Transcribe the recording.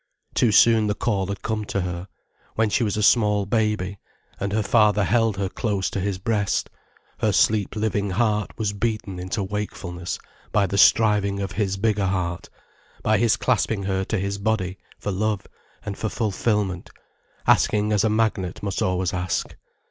Too soon the call had come to her, when she was a small baby, and her father held her close to his breast, her sleep living heart was beaten into wakefulness by the striving of his bigger heart, by his clasping her to his body for love and for fulfilment, asking as a magnet must always ask.